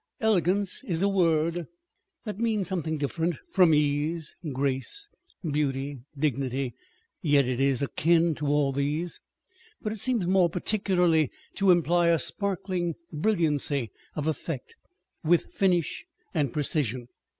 Elegance is a word that means something different from ease, grace, beauty, dignity ; yet it is akin to all these ; but it seems more particularly to imply a sparkling brilliancy of effect with finish and precision.